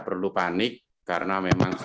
perlu panik karena memang